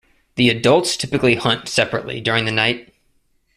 The adults typically hunt separately during the night.